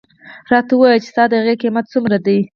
راته ووایه چې ستا د هغې قیمت څومره دی.